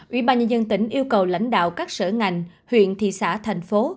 ủy ban nhân dân tỉnh yêu cầu lãnh đạo các sở ngành huyện thị xã thành phố